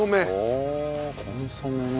コンソメね。